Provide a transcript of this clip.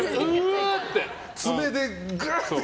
爪でグーって。